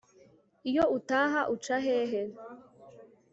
iyo utaha uca hehe